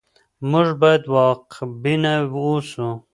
موږ بايد واقعبينه اوسو.